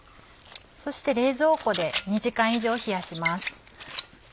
そして冷蔵庫で２時間以上冷やします。